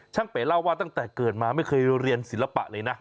เป๋เล่าว่าตั้งแต่เกิดมาไม่เคยเรียนศิลปะเลยนะ